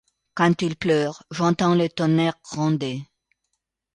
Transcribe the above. Quand il pleure, j’entends le tonnerre gronder ;